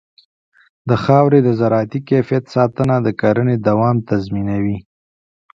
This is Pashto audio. د خاورې د زراعتي کیفیت ساتنه د کرنې دوام تضمینوي.